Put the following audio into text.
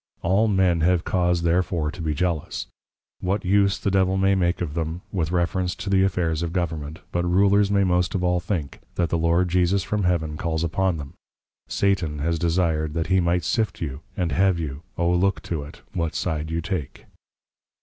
All men have cause therefore to be jealous, what Use the Devil may make of them, with reference to the Affairs of Government; but Rulers may most of all think, that the Lord Jesus from Heaven calls upon them, _Satan has desired that he might Sift you, and have you; O Look to it, what side you take.